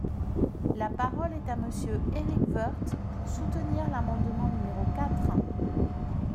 La parole est à Monsieur Éric Woerth, pour soutenir l’amendement numéro quatre.